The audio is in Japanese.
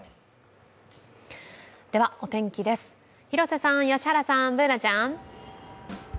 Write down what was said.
お天気です、広瀬さん、良原さん、Ｂｏｏｎａちゃん。